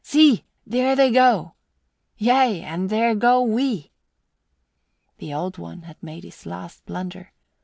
See! There they go! Yea, and there go we!" The Old One had made his last blunder.